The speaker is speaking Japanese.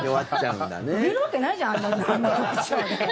売れるわけないじゃんあんな曲調で。